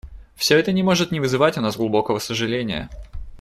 Все это не может не вызывать у нас глубокого сожаления.